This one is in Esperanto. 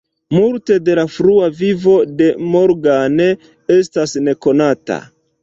Multe de la frua vivo de Morgan estas nekonata.